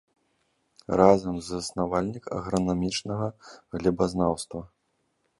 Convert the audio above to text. Разам з заснавальнік агранамічнага глебазнаўства.